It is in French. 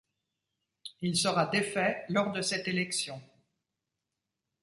Il sera défait lors de cette élection.